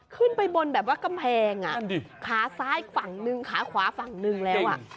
ขึ้นไปบนแบบว่ากำแพงขาซ้ายฝั่งนึงขาขวาฝั่งหนึ่งแล้ว